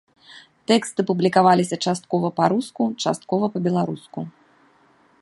Тэксты публікаваліся часткова па-руску, часткова па-беларуску.